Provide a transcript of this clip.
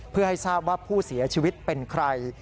เพื่อให้ทราบว่าผู้เสียชีวิตเป็นใคร